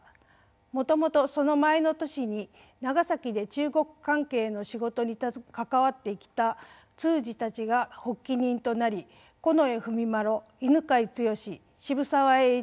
もともとその前の年に長崎で中国関係の仕事に関わってきた通詞たちが発起人となり近衛文麿犬養毅渋沢栄一